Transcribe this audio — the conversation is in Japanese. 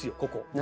何？